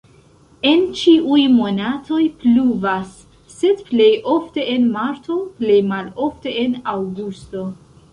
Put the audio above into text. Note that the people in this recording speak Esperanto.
En ĉiuj monatoj pluvas, sed plej ofte en marto, plej malofte en aŭgusto.